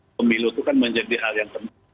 pemilu itu kan menjadi hal yang penting